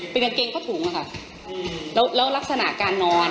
เป็นกางเกงเขาถุงอ่ะค่ะอืมแล้วแล้วลักษณะการนอน